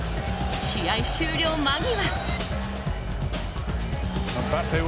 試合終了間際。